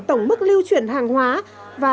tổng mức lưu chuyển hàng hóa và